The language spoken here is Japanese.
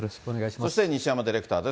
そして西山ディレクターです。